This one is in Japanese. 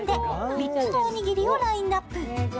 ３つのおにぎりをラインナップ。